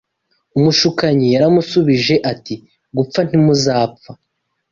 Umushukanyi yaramusubije ati: Gupfa ntimuzapfa